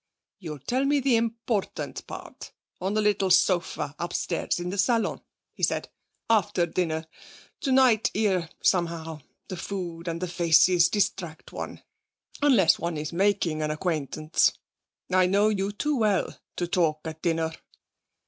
'You'll tell me the important part on the little sofa upstairs in the salon,' he said. 'After dinner. Tonight, here, somehow, the food and the faces distract one unless one is making an acquaintance. I know you too well to talk at dinner.'